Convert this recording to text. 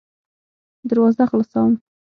دروازه خلاصوم .